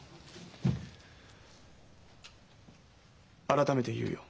改めて言うよ。